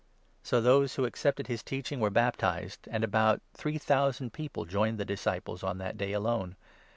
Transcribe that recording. So those who accepted 41 his teaching were baptized, and about three thousand people joined the disciples on that day alone.